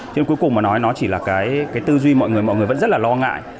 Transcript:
chứ cuối cùng mà nói nó chỉ là cái tư duy mọi người mọi người vẫn rất là lo ngại